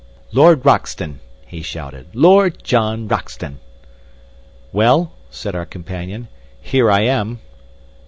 "Lord Roxton!" he shouted. "Lord John Roxton!" "Well," said our companion, "here I am."